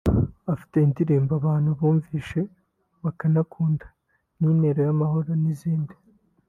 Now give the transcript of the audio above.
ifite indirimbo abantu bumvishe bakanakunda nka Intero y’amahoro n’zindi